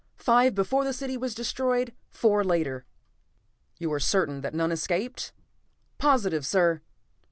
"Five before the city was destroyed, four later." "You are certain that none escaped?" "Positive, sir."